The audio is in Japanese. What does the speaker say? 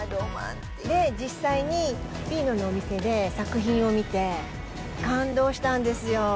で、実際にピーノのお店で作品を見て、感動したんですよ。